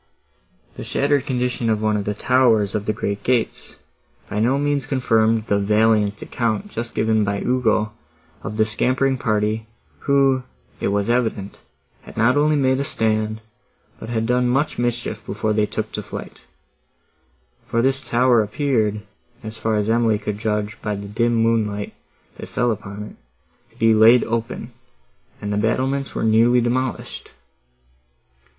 The shattered condition of one of the towers of the great gates by no means confirmed the valiant account just given by Ugo of the scampering party, who, it was evident, had not only made a stand, but had done much mischief before they took to flight; for this tower appeared, as far as Emily could judge by the dim moonlight that fell upon it, to be laid open, and the battlements were nearly demolished.